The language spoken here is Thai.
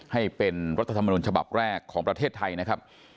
ให้เป็นรัฐธรรมนุนฉบับแรกของประเทศไทยนะครับ